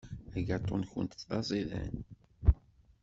Agaṭu-nkent d aẓidan.